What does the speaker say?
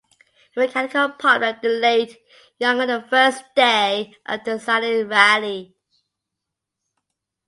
A mechanical problem delayed Young on the first day of the deciding rally.